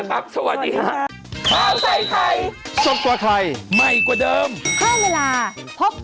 กลับมาเจอมาคุณสองคน